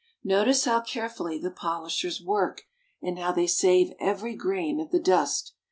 Notice how carefully the polishers work and how they save every grain of the dust.